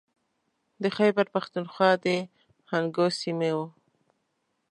د خیبر پښتونخوا د هنګو سیمې و.